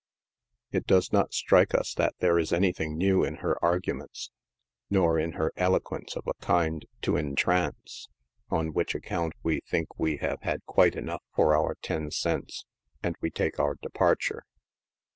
It does not strike its that there is anything new in her arguments, nor in her eloquence of a kind to entrance, on which account we think wc have had quite enough for our ten cents, and we take our departure.